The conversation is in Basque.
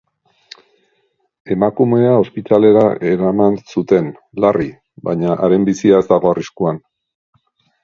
Emakumea ospitalera eraman zuten, larri, baina haren bizia ez dago arriskuan.